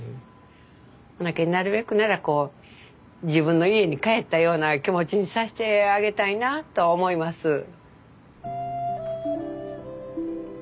ほなけんなるべくならこう自分の家に帰ったような気持ちにさしてあげたいなとは思います。